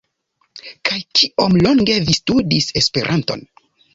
Kaj kiom longe vi studis Esperanton?